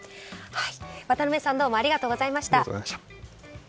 渡辺さんどうもありがとうございました。